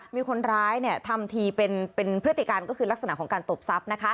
มีคนร้ายเนี่ยทำทีเป็นเพื่อติการก็คือลักษณะของการตบสับนะคะ